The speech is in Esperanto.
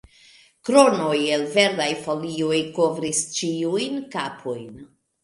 Kronoj el verdaj folioj kovris ĉiujn kapojn.